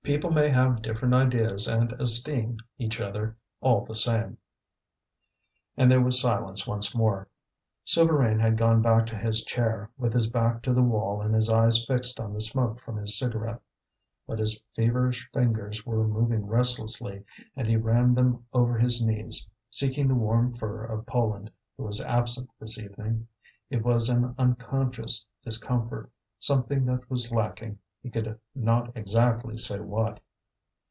People may have different ideas and esteem each other all the same." And there was silence once more. Souvarine had gone back to his chair, with his back to the wall and his eyes fixed on the smoke from his cigarette, but his feverish fingers were moving restlessly, and he ran them over his knees, seeking the warm fur of Poland, who was absent this evening; it was an unconscious discomfort, something that was lacking, he could not exactly say what.